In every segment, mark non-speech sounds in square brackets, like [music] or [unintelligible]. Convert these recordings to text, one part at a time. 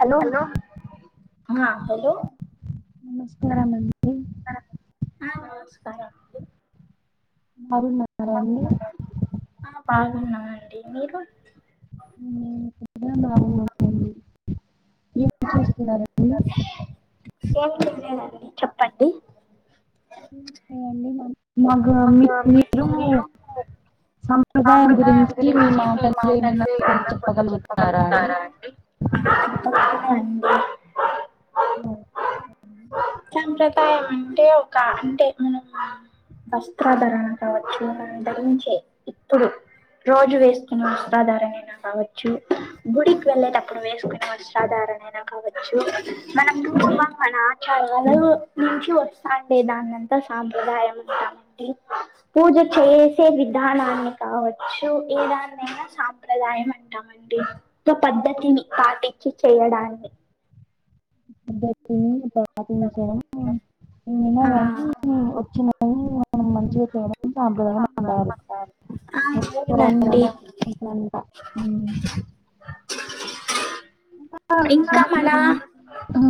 Hello మా hello నమస్కారం అండి ఆ నమస్కారమండి బాగున్నారా అండి ఆ బాగున్నామండి మీరు ఊ ఏమో చేస్తున్నారండి ఏమి లేదండి చెప్పండి. మా గాద్ మీక్ మీలు ఆమృదాయం గురించి మీ మాటల్ దీ ఏదయినా కొద్ చెప్పగలుగుతారా అండి అ కొంచం మే అండి సంప్రదాయం అం అంటే ఒక అంటే మనం వస్త్రాధరణ కావచ్చు దాని ధరించే పుడు రోజు వేసుకొనే వస్త్రాధారణయినా కావచ్చు గుడికి వెళ్ళేటప్పుడు వేసుకునే వస్త్రాధా నైనా కావచ్చు మనం కుటుంబం మన ఆచారాలు నుంచి వస్తా అండే దాన్ని అంతా సాంప్రదాయం అంటామడి పూజ చేసే విధానాన్ని కావచ్చు ఏదాన్నైనా సాంప్రదాయం అంటాం అండి సో పద్ధతిని పాటి చి చేయడాన్ని పద్ధతిని పాటించడం ఏమో ఆ గాని వచ్చిన వారిని మనం మంచిగా చూడటం సాంప్రదాయం అంటారు ఆ అవునండి [unintelligible] అట్లంటా ఊ ఇంకా ఇంకా మన సంప్రదాయం ఊ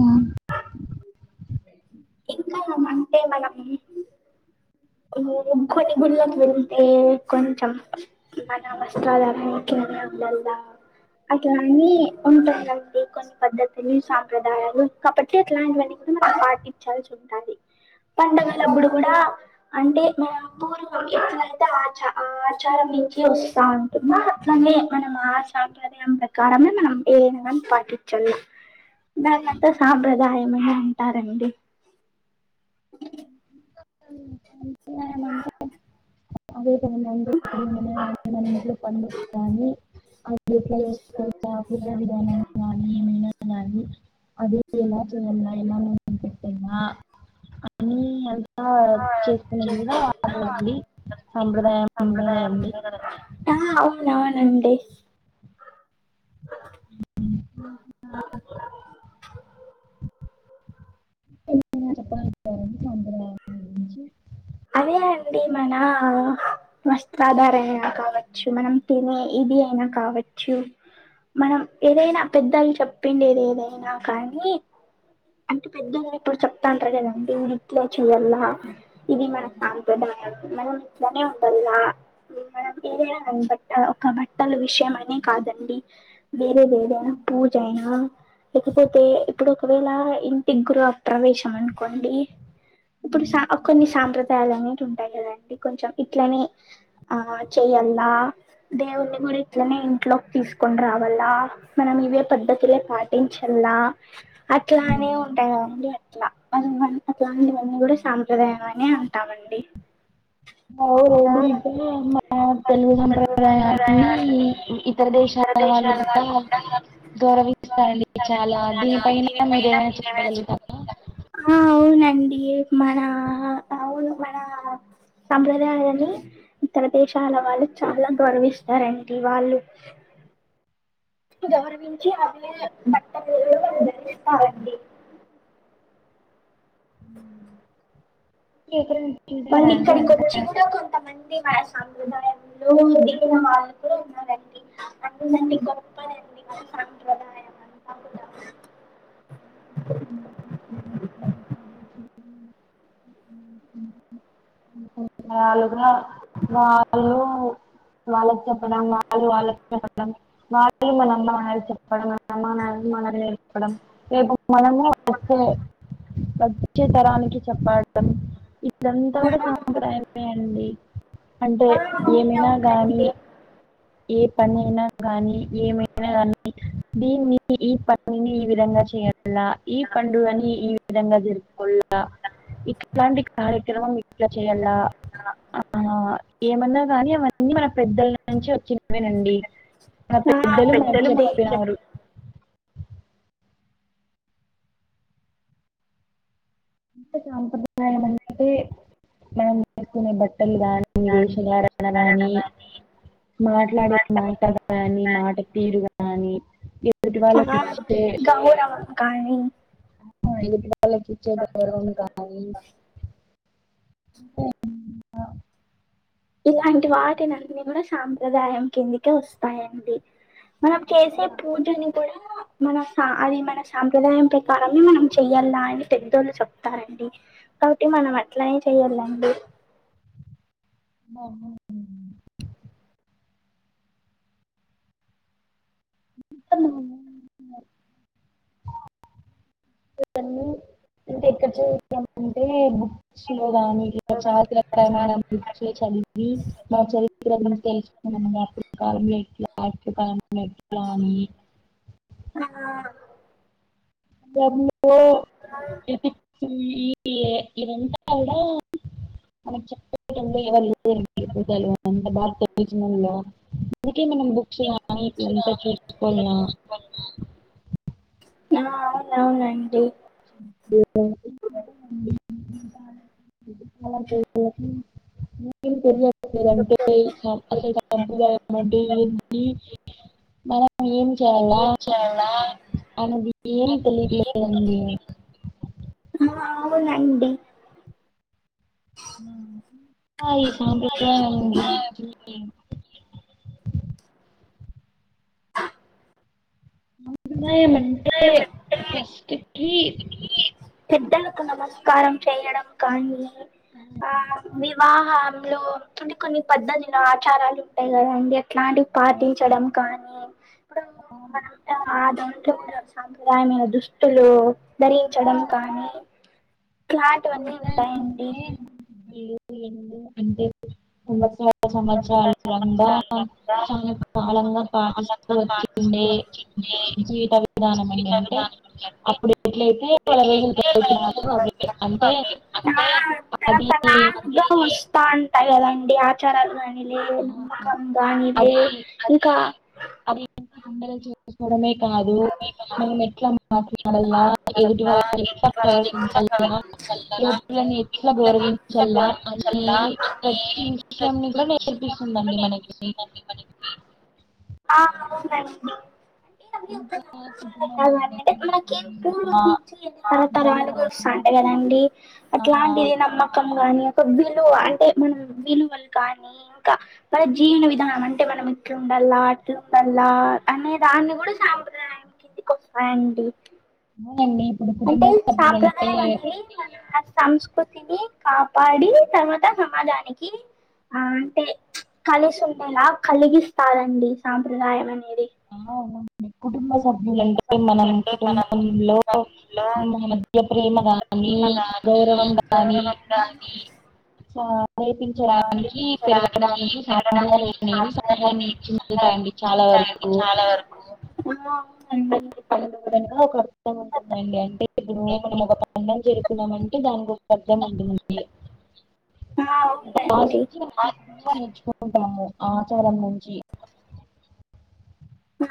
ఇంకా మంటే మనం కొని గుళ్ళకి వెళ్తే కొంచెం మన వస్త్రాధారణకి నేన్ వెళ్ళ అట్లాని ఉంటందండి కొన్ని పద్ధతుల్ని సాంప్రదాయాలు కాబట్టి అట్లాంటివన్ని మనం పాటించాల్సి ఉంటాది పండుగలప్పుడు కూడా అంటే మ పూర్వం ఎట్లయితే ఆచ ఆచారం నుంచి వస్తా అంటుందో అట్ల అ మనం ఆ సాంప్రదాయం ప్రకారమే మనం ఏదైనా పాటించాల దాన్నంత సాంప్రదాయమని అంటారండి [unintelligible] [unintelligible] [unintelligible] [unintelligible] [unintelligible] సాంప్రదాయంలో సాంప్రదాయం కదండి ఉందికదా అండి ఉంధండి [unintelligible] అదే అండి మన వస్త్రాధారనా కావచ్చు మనం తినే ఇది ఫ్రీ అయినా కావచ్చు మనం ఏదైనా పెద్దలు చెప్పిండేది ఏదైనా కానీ అంటే పెద్దలు ఇప్పుడు చెప్తాంటారు కదండి ఇట్లే చయల్లా ఇది మన సాంప్రదా మనం ఇట్లనే ఉండదిగా మనంర బట్ట ఒక బట్టల విషయం అనే కాదు కాదండి వేరే ఏదైనా పూజయినా లేకపోతే ఇప్పుడు ఒకవేళ ఇంటి గురు ప్రవేశం అనుకోండి ఇప్పుడు షాప్ సాంప్రదాయాలు అనేటి ఉంటాయి కదండి కొంచెం ఇట్లనే ఆ చెయ్యల్లా దేవుడిని కూడా ఇట్లనే ఇంట్లోకి తీసుకొని రావాలా మనం ఇవే పద్ధతులే పాటించలా అట్లానే ఉంటాయి కదండి అట్లా అట్లాంటివన్నీ కూడా సాంప్రదాయం అనే అంటామండి [unintelligible] ఇతర దేశాల వాళ్ళు కూడా గౌరవిస్తారండి చాలా దీనిపైన మీరేమైనా చెప్పగలుగుతార ఆ అవునండి మన అవును మన సాప్రదాయాలని ఇతర దేశాల వాళ్ళు చాలా గౌరవిస్తారండి వాళ్ళు గౌరవించి ఆమె బట్టలు ధరిస్తామండి ఇ వాళ్ళీక్కడికి వచ్చి కూడా కొంతమంది మన సాంప్రదాయం దిగిన వాళ్ళు కూడా ఉన్నారండి అందుడి గొప్పండి మ సాంప్రదాయం అంతా కూడా అ [unintelligible] [unintelligible] [inaudible] మనము వచ్చే వచ్చే తరానికి చెప్పడం ఇదంతా ఆ, కూడా సాంప్రదాయమే అండి అంటే ఏమైనా గాని అవునవునండి ఏ పని అయినా గానీ ఏమైనా గానీ దీన్ని ఈ పని ని ఈ విధంగా చేయ్యా అలా ఈ పండుగని ఈ విధంగా జరుపుకోల ఆ ఇట్లాంటి కార్యక్రమం ఇట్ల చెయ్యాల ఆ ఏమన్నా కానీ అవన్నీ మన పెద్దల నుంచి వచ్చినవే అండి మన ఆ, పెద్దలు మనకు అవునండి చెప్పినారు ఎంత సాంప్రదాయం అంటే మనం వేసుకునే బట్టలు గాని వేషధారణ గాని మాట్లాడే మాటలు గాని మాట తీరు గాని గౌరవం కానీ ఆ ఇది వాళ్ళకి ఇచ్చే గౌరవం కానీ ఉ ఇంక ఇలాంటి వాటినన్ని కూడా సాంప్రదాయం కిందికే వస్తాయండి మనం చేసే పూజని కూడా మన సా అది మన సాంప్రదాయం ప్రకారమే మనం చెయ్యాల్ల అని పెద్దోళ్ళు చెప్తారండి కాబట్టి మనం అట్లనే చెయ్యాలండి ఆవున్ [unintelligible] ఇవన్నీ అంటే ఎక్కడ చూడాలి అంటే బుక్స్ లో గానీ [unintelligible] బుక్స్ లో చదివి మీ మా చరిత్ర గురించి తెలుసుకున్నా అప్పటి కాలంలో ఎట్లా ఐ్య కాలంలో ఎట్లా అని ఆ [unintelligible] ఇ ఇది అంత కూడా మనం చెప్పు [unintelligible] ఎవరు లేరు ఎప్పుడు తెలివనోళ్లు ఎంత బా తెలిసి నోళ్ళు అందుకే మనం బుక్స్ కానీ ఇట్ల అంత చూసుకోవాళ్ళ ఆ అవునవునండి [unintelligible] [inaudible] ఏమి చేస్తున్నారు అంటే అసల్ సంప్రదాయం అంటే ఏంటి మనం ఏం చేయాల ఏమి చేయాల ఆయన్ బి ఏమి తెలియట్లేదండి ఆ అవునండి అయి సంప్రదాయం గురించి [inaudible] సంప్రదాయం అంటే ఫస్ట్ కి పెద్దలకు నమస్కారం చేయడం కానీ ఆ వివాహ లో కొన్ని కొన్ని పద్ధతి లు ఆచారాలు ఉంటాయి కదండి ఇట్లాంటివి పాటించడం కానీ ఇప్పుడు మనం అంతా ఆ దాంట్లో కూడా సాంప్రదాయ మే దుష్ తులు ధరించడం కానీ కాటువన్ని సాంప్రదాయం ఉంటాయండి అంటే [unintelligible] అంటే ఉన్ [unintelligible] సంవత్సరలుంగా చాలా కాలంగా పాటిస్తూ వచ్చి ఉండే జీవిత విధానం అండి అంటే అప్పుడు [unintelligible] రోజులు అవి అంటే అది తా అంటే ఎలా అండి ఆచారాలు కా లే ఆ, నమ్మకం కానీ లే ఇంకా పండగ చేసుకోవడమే కాదు మనం ఎట్ల మాట్లాడల్లా ఎదుటి వాళ్ల ఎట్లా ప్రవర్తించల్లా ఎదుటిళ్ని ఎట్లా గౌరవిం పించల్లా అనే ప్రతి విషయంన్ని కూడా నేర్ పిస్తుందండి మనకి ఆ అవునండి అవి [unintelligible] బుద్ధి మైనట్లు కేం పూర్వం నుంచి ఎన్ని తరతరాలుగా వస్తాంటాయ్ కదండి ఆ, అట్లాంటిది నమ్మక కానీ ఒక విలువ అంటే మనం విలువలు కానీ ఇంకా మన జీవన విధానం అంటే మన ఇట్లుండలా అట్లుండలా అనే దాన్ని కూడా సాంప్రదాయం కిందికి వస్తాయండి అవునండి ఇప్పుడు అంటే కుటుంబ సభ్యులంటే సాంప్రదాయం అనేది మన సంస్కృతిని కాపాడి తర్వాత సమాజానికి ఆ అంటే ప్చ్ కలిసి ఉండేలా కలిగిస్తారండి సాంప్రదాయం అం ఆ అవునండి కుటుంబ సబ్ ఎందంటే మనం కుటుంబంలో మన మధ్య ప్రేమగాని గౌ గౌరవం గాని స- ఆ నేర్పించడానికి ఎపించడానికి పెరగడానికి సాంప్రదాయాలు పెరగడానికి అనేవి సంప్రదాయాలు సహాయం అనేవి సహాయం చెందుతాయండి చె చాలా స్తాయండి చాలా వరకు పళ్లు తోమడానికా ఒకరు ఉంటుందండి అంటే ఇప్పుడు మనం ఒక పండగ చేస్కున్నామంటే దానికి ఒక అర్థం ఉంటుంది ఆ చాలా అవునండి విషయాలు మనం కూడా నేర్చుకుంటాము ఆచారం నుంచి హ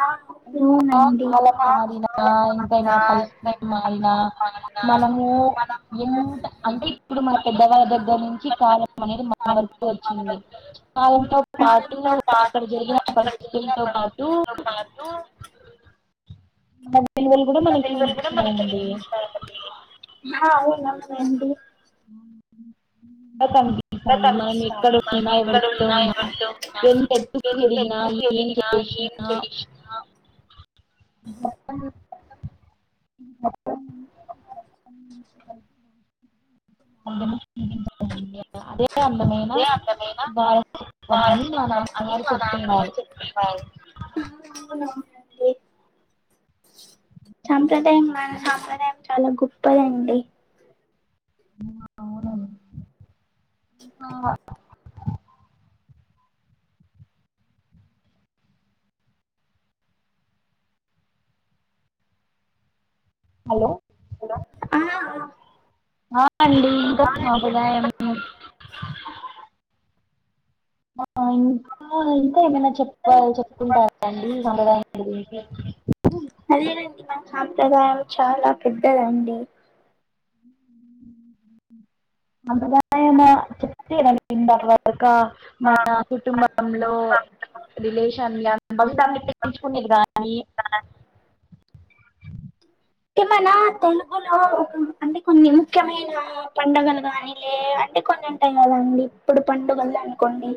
ఇంకా కాలం మారిన ఇంకా ఏమైనా పరిస్థితులు మారినా మనము ము ఎంత అంటే ఇప్పుడు మన పెద్దవాళ్ళ దగ్గర నుంచి కాలం అనేది మన వరకు వచ్చింది కాలంతో పాటు అక్కడ జరిగిన పరిస్థితుల్తో పాటు కో పాటు [unintelligible] మనకి విలువలు కూడా మనకు వినిపించినాయండి. నేర్పిస్తాయండి హా అవును అవునండి కనిపిస్తాయి మనం ఎక్కడ ఉన్నా ఎవరితో ఉన్నా ఎంత ఎత్తుకు ఎదిగినా ఎం గినా ఏం చెడిగినా అత్త [inaudible] అదే అందమైన బారం అని మా నాన్న గారు చెప్పినారు ఆవ్ అవును అవును ఏంటి సాంప్రదాయం మన సాంప్రదాయం చాలా గొప్పదండి ఉమ్ అవును ఆ హలో ఆ ఆ అండి ఇంకా సాంప్రదాయం ఆ ఇంకా ఇంకా ఏమైనా చెప్ప చెప్పుకుంటారండి సాప్రదాయం గురించి అదేనండి మన సాంప్రదాయం చాలా పెద్దదండి. అందులో ఏమైనా చెప్తే దాని కింద ఒక మన కుటుంబంలో రిలేషన్ల భవితల్నీ పెంచుకునేది గానీ ఏమన్నా తెలుగులో ఒక అంటే కొన్ని ముఖ్యమైన పండగలు గాని లే అం టె కొన్ని ఉంటాయి కదండి, ఇప్పుడు పండుగల అనుకోండి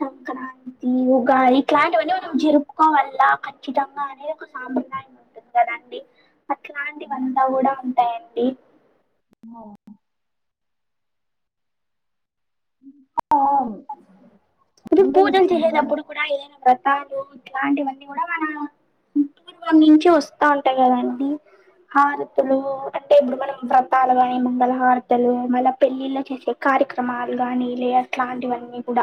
సంక్రాంతి, ఉగాది ఇట్లాంటివన్నీ మనం జరుపుకో వల్ల ఖచ్చితంగా అనేది ఒక సామ్ర అట్లాంటి వంతా గుడ ఉంటాయండి. ఇంకా పుడు ఈ పూజలు సాంప్రదాయం చేసేటప్పుడు కూడా ఏం వ్రత్ తాలు ఇట్లాంటివన్నీ కూడా మన పూర్వం నుంచే వస్తా ఉంటాయి కదండి. హారతలు అంటే ఇప్పుడు మనం వ్రతాలు గాని, మంగళహారతలు మళ్ళ పెళ్ళిళ్లో చేసే కార్యక్రమాలు గానీ లే అట్లాంటివన్నీ గూడ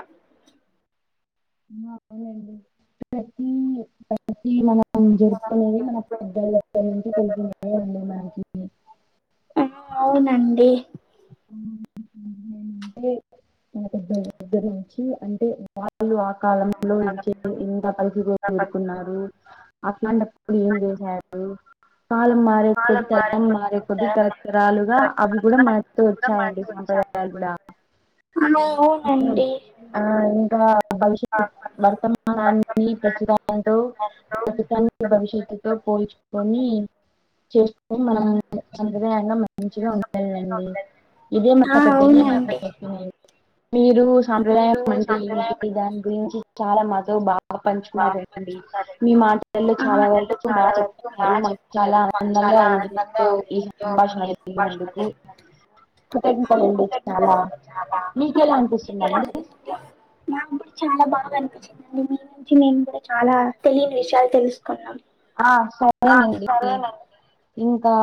అది మన నం జరుపుకునేది మన పెద్దల దగ్గర నుంచి తెలిసినాయండి మనకి. ఆ అవునండి. అంటే మన పెద్దల దగ్గర నుంచి అంటే వాళ్ళు ఆ కాలంలో ఇంచే ఇంత పరిథి గో గోరుకున్నారు అట్లాంటప్పుడు ఏం చేసాడు? కాలం మారే కొద్ది, తరం మారే కొద్ది, తరతరాలుగా అవి గుడ మన్ తో వచ్చాయండి సాంప్రదాయాలు గుడా ఆ అవునండి ఆ ఇంకా భవిష్యత్ వర్తమానాన్ని ప్రస్తుతాంతో ప్రస్తుతాన్ని భవిష్యత్తుతో పోల్చుకొని చేస్ కొని మనం సాంప్రదాయంగా మంచిగా ఉండండండి ఇదే ఆ మన పెద్దలు మనకి అవునండి చెప్పిందండి మీరు సాంప్రదాయం అంటే ఏంటి, దాని గురించి చాలా మాతో బా గ పంచుకున్నారండి, మీ మాటలు మీ చాలా వరకు బా చెప్తున్నారు, మాకు చాలా ఆనందం ఉంది మీకు ఈ సంభాషణ జరిగినందుకు. ఆ కృతజ్ఞతలండి చాలా, మీకెలా అనిపిస్తుందండి? నాకిప్పుడు చాలా బాగా అనిపించిందండి, మీ నుంచి నేను కూడా చాలా తెలియని విషయాలు తెలుసుకున్నాం. ఆ సరేనండి. ఇంకా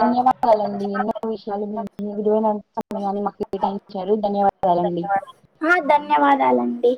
ధన్యవాదాలండి, ఎన్నో విషయాలు మీ విలువైన సమయాన్ని మాకి ఇచ్చారు ధన్యవా ఆ ధన్యవాదాలండి.